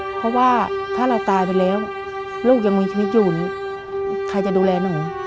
เพราะว่าถ้าเราตายไปแล้วลูกยังมีชีวิตอยู่นี่ใครจะดูแลหนู